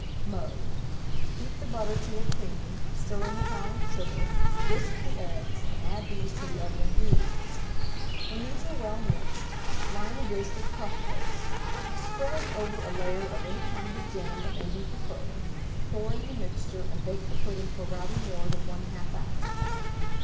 Mode. Beat the butter to a cream, stir in the powdered sugar, whisk the eggs, and add these to the other ingredients. When these are well mixed, line a dish with puff paste, spread over a layer of any kind of jam that may be preferred, pour in the mixture, and bake the pudding for rather more than 1/2 hour.